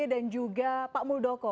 dan juga pak muldoko anot